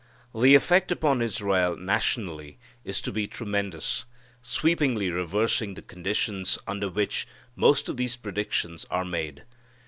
The effect upon Israel nationally is to be tremendous, sweepingly reversing the conditions under which most of these predictions are made.